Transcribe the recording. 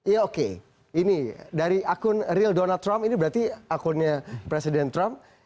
ya oke ini dari akun real donald trump ini berarti akunnya presiden trump